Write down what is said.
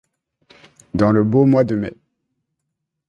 Dans le beau mois de mai